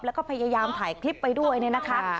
แล้วก็พยายามถ่ายคลิปไปด้วยเนี่ยนะคะ